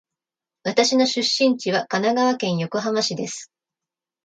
私の出身地は神奈川県横浜市です。